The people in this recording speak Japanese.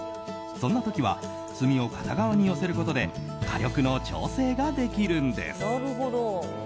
そんな時は炭を片側に寄せることで火力の調整ができるんです。